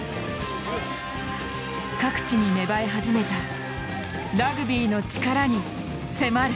各地に芽生え始めたラグビーのチカラに迫る。